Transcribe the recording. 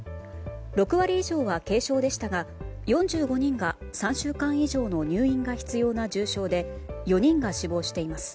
６割以上は軽症でしたが４５人が３週間以上の入院が必要な重症で４人が死亡しています。